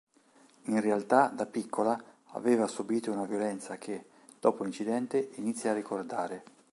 In realtà, da piccola aveva subito una violenza che, dopo l'incidente, inizia a ricordare.